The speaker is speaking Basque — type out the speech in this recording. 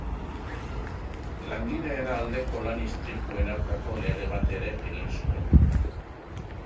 Langileen aldeko lan-istripuen aurkako lege bat ere egin zuen.